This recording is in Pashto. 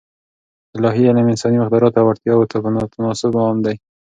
الاهي علم انساني مقدراتو او اړتیاوو ته په تناسب عام دی.